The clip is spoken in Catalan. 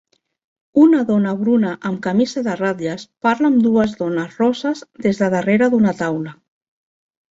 Una dona bruna amb camisa de ratlles parla amb dues dones rosses des de darrere d'una taula.